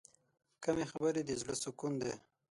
کمې خبرې، د زړه سکون دی.